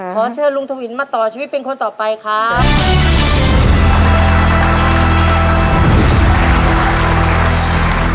ขอเชิญลุงทวินมาต่อชีวิตเป็นคนต่อไปครับ